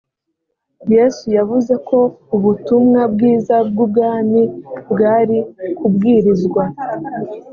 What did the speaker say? yesu yavuze ko ubutumwa bwiza bw’ubwami bwari kubwirizwa